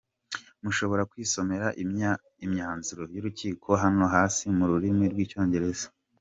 Mushobora kwisomera imyanzuro y’urukiko hano hasi mu rurimi rw’icyongereza: